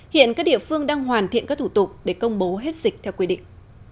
hiện các địa phương đang hoàn thiện các thủ tục để công bố hết dịch theo quy định